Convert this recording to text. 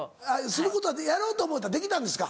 することはやろうと思うたらできたんですか？